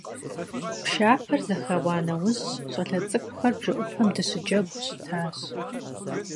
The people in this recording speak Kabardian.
Пшапэр зэхэуа нэужь щӀалэ цӀыкӀухэр бжэӏупэм дыщыджэгуу щытащ.